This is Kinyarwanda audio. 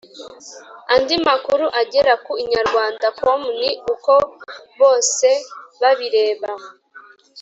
andi makuru agera ku inyarwandacom ni uko bosebabireba